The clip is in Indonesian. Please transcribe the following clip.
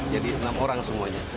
jadi enam orang semuanya